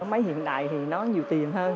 máy hiện đại thì nó nhiều tiền hơn